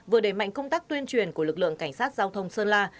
vừa đẩy mạnh công tác tuyên truyền của lực lượng cảnh sát giao thông sơn la